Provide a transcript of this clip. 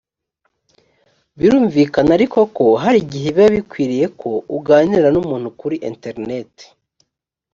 birumvikana ariko ko hari igihe biba bikwiriye ko uganira n umuntu kuri interineti